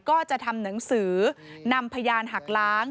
ก็จะทำหนังสือนำพยานหักล้าง